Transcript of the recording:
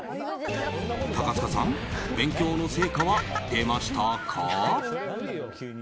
高塚さん勉強の成果は出ましたか？